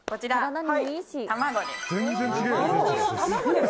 卵です。